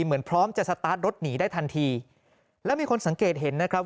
เหมือนพร้อมจะสตาร์ทรถหนีได้ทันทีแล้วมีคนสังเกตเห็นนะครับ